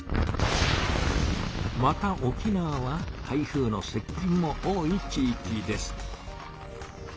また沖縄は台風のせっ近も多い地いきです。